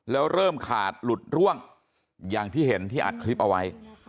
แล้วเริ่มขาดหลุดร่วงอย่างที่เห็นที่อัดคลิปเอาไว้